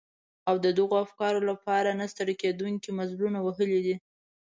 او د دغو افکارو لپاره يې نه ستړي کېدونکي مزلونه وهلي دي.